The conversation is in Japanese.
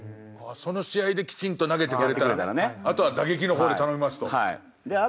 その試合できちんと投げてくれたらあとは打撃の方で頼みますと。